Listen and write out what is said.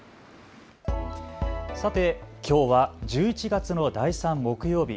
さてきょうは１１月の第３木曜日。